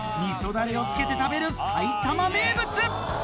だれをつけて食べる埼玉名物